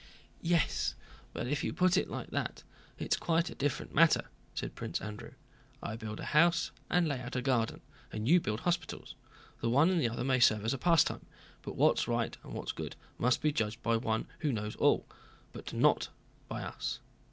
"Yes, if you put it like that it's quite a different matter," said Prince Andrew. "I build a house and lay out a garden, and you build hospitals. The one and the other may serve as a pastime. But what's right and what's good must be judged by one who knows all, but not by us.